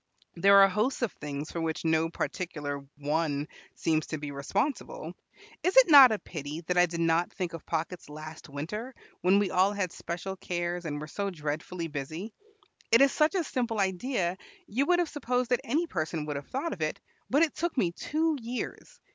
There are hosts of things for which no particular one seems to be responsible. Is it not a pity that I did not think of pockets last winter, when we all had special cares and were so dreadfully busy? It is such a simple idea you would have supposed that any person would have thought of it, but it took me two years.